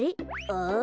ああ。